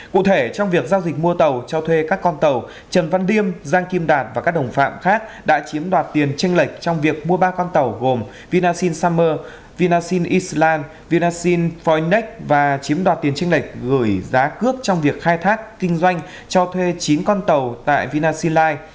cụ thể trong việc giao dịch mua tàu cho thuê các con tàu trần văn điêm giang kim đạt và các đồng phạm khác đã chiếm đoạt tiền tranh lệch trong việc mua ba con tàu gồm vinasil summer vinasil island vinasil phoenix và chiếm đoạt tiền tranh lệch gửi giá cước trong việc khai thác kinh doanh cho thuê chín con tàu tại vinasilai